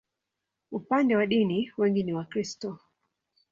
Upande wa dini, wengi ni Wakristo.